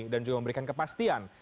dan juga memberikan kepastian